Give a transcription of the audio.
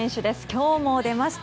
今日も出ました！